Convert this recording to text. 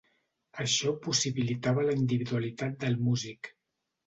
Això possibilitava la individualitat del músic.